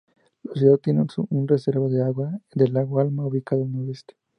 La ciudad obtiene su reserva de agua del lago Alma, ubicado al noreste.